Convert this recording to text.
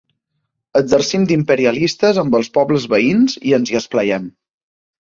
Exercim d'imperialistes amb els pobles veïns i ens hi esplaiem.